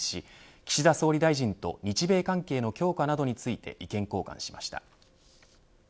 岸田総理大臣と日米関係の強化などについて意見交換しました。